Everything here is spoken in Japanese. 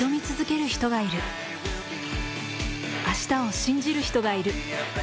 明日を信じる人がいる。